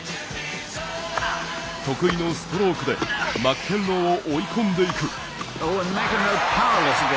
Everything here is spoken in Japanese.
得意のストロークでマッケンローを追い込んでいく。